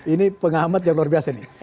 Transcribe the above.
ini pengamat yang luar biasa nih